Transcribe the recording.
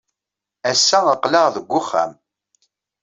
Ass-a, aql-aɣ deg uxxam.